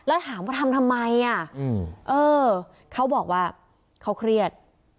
แล้วถามว่าทำทำไมอ่ะเออเขาบอกว่าเขาเครียด